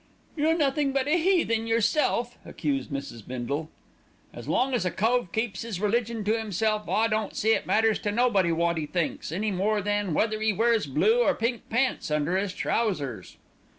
"You're nothing but a heathen yourself," accused Mrs. Bindle. "As long as a cove keeps 'is religion to 'imself, I don't see it matters to nobody wot 'e thinks, any more than whether 'e wears blue or pink pants under his trousers."